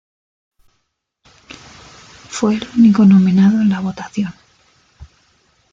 Fue el único nominado en la votación.